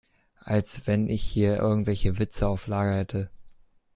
Als wenn ich hier irgendwelche Witze auf Lager hätte!